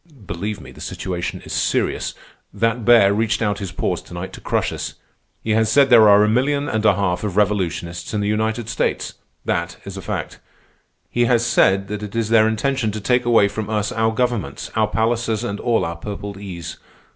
"Believe me, the situation is serious. That bear reached out his paws tonight to crush us. He has said there are a million and a half of revolutionists in the United States. That is a fact. He has said that it is their intention to take away from us our governments, our palaces, and all our purpled ease.